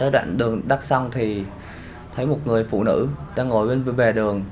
đoạn đường đắk lắc xong thì thấy một người phụ nữ đang ngồi bên về đường